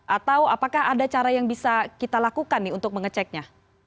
atau apakah ada cara yang bisa kita lakukan nih untuk mengeceknya